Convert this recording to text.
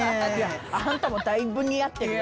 あんたもだいぶ似合ってるよ。